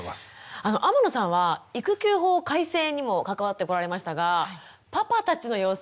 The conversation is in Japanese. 天野さんは育休法改正にも関わってこられましたがパパたちの様子